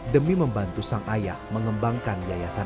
demi membantu sang ayah mengembangkan yayasan